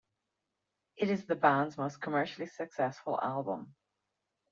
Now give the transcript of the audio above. It is the band's most commercially successful album.